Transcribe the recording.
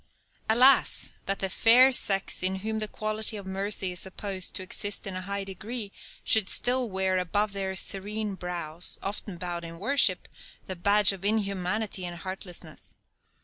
Alas, that the "fair" sex in whom the quality of mercy is supposed to exist in a high degree, should still wear above their serene brows often bowed in worship the badge of inhumanity and heartlessness.